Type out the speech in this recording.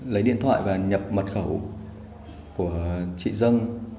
lấy điện thoại và nhập mật khẩu của chị dân